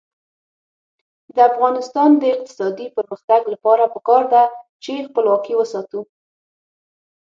د افغانستان د اقتصادي پرمختګ لپاره پکار ده چې خپلواکي وساتو.